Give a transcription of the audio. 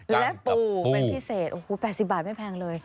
และปูเป็นที่เศษ๘๐บาทไม่แพงเลย